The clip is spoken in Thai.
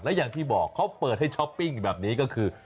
อย่างที่บอกเขาเปิดให้ช้อปปิ้งแบบนี้ก็คือ